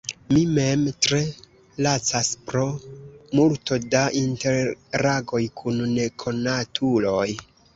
Mi mem tre lacas pro multo da interagoj kun nekonatuloj.